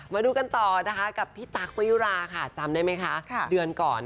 มาดูกันต่อนะคะกับพี่ตั๊กประยุราค่ะจำได้ไหมคะเดือนก่อน